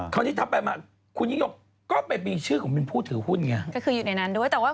คราวที่ถัดไปมาคุณยิ่งยกก็ไปมีชื่อเป็นผู้ถือหุ้นไง